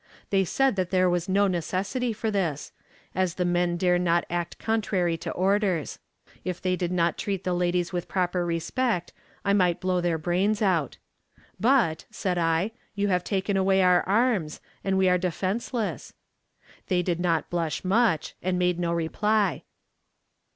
They said that there was no necessity for this, as the men dare not act contrary to orders. If any did not treat the ladies with proper respect, I might blow their brains out. 'But,' said I, 'you have taken away our arms, and we are defenseless.' They did not blush much, and made no reply.